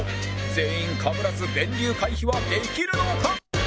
全員かぶらず電流回避はできるのか？